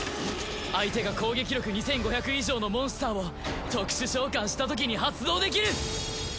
相手が攻撃力２５００以上のモンスターを特殊召喚したときに発動できる。